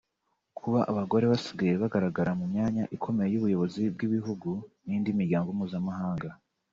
Kuba abagore basigaye bagaragara mu myanya ikomeye y’ubuyobozi bw’ibihugu n’indi miryango mpuzamahanga